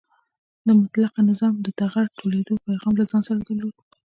د مطلقه نظام د ټغر ټولېدو پیغام له ځان سره درلود.